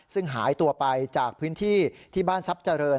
ซึ่งหายตัวไปจากพื้นที่ที่บ้านทรัพย์เจริญ